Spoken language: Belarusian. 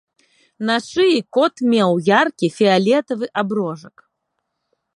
На шыі кот меў яркі фіялетавы аброжак.